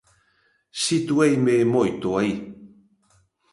Situeime moito aí.